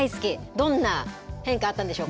どんな変化あったんでしょうか。